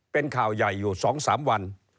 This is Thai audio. เป็นข่าวใหญ่อยู่๒๓วัน